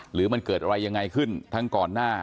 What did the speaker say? หรือมันเกิดอะไรยังไงขึ้นทั้งก่อนหน้า